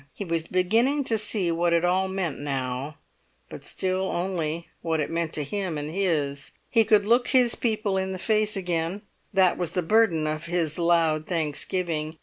He was beginning to see what it all meant now, but still only what it meant to him and his. He could look his people in the face again; that was the burden of his loud thanksgiving.